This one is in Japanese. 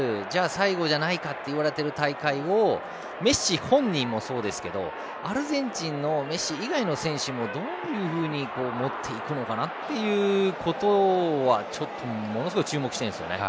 最後じゃないかといわれている大会をメッシ本人もそうですけどアルゼンチンのメッシ以外の選手もどういうふうに持っていくのかなということはものすごく注目していますね。